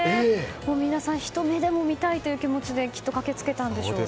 皆さん、ひと目でも見たいという気持ちできっと駆けつけたんでしょうね。